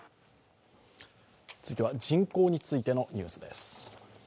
続いては人口についてのニュースです。